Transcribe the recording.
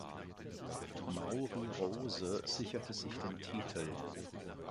Mauri Rose sicherte sich den Titel.